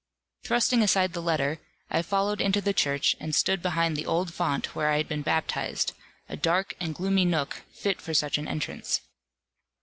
Thrusting aside the letter, I followed into the Church, and stood behind the old font where I had been baptized; a dark and gloomy nook, fit for such an entrance.